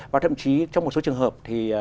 và thậm chí trong một số trường hợp